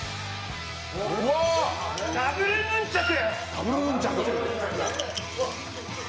ダブルヌンチャク！